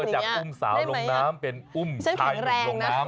จากอุ้มสาวลงน้ำเป็นอุ้มชายหนุ่มลงน้ำ